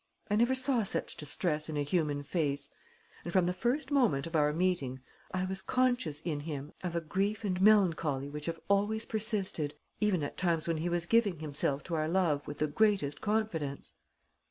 I never saw such distress in a human face; and, from the first moment of our meeting, I was conscious in him of a grief and melancholy which have always persisted, even at times when he was giving himself to our love with the greatest confidence."